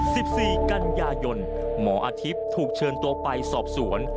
สิบสี่กันยายนหมออาทิตย์ถูกเชิญตัวไปสอบสวน